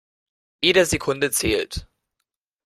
Jede Sekunde zählt.